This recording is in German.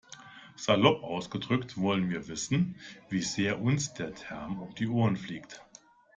Salopp ausgedrückt wollen wir wissen, wie sehr uns der Term um die Ohren fliegt.